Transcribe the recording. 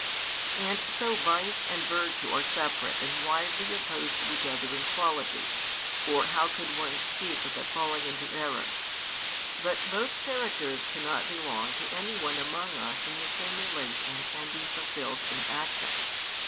And so vice and virtue are separate and widely |334 opposed to each other in quality, or how could one speak without falling into error? But both characters cannot belong to any one among us in the same relation and be fulfilled in action.